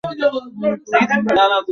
এই, পরম না?